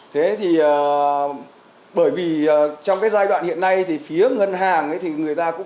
thế thì bởi vì trong cái giai đoạn hiện nay thì phía ngân hàng thì người ta cũng